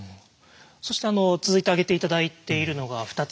そして続いて挙げて頂いているのが２つ目。